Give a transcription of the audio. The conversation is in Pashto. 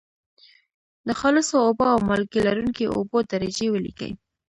د خالصو اوبو او مالګې لرونکي اوبو درجې ولیکئ.